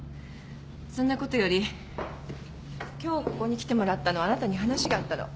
そんなことより今日ここに来てもらったのはあなたに話があったの。